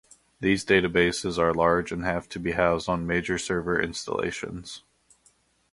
These databases are large and have to be housed on major server installations.